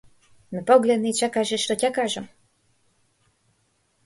Ме погледна и чекаше што ќе кажам.